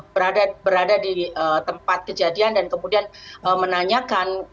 berada di tempat kejadian dan kemudian menanyakan